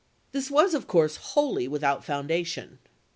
This was, of course, wholly without foundation.